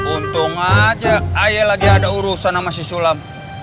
untung aja ayah lagi ada urusan sama si sulam